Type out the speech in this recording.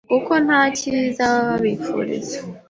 kuko nta cyiza baba babifuriza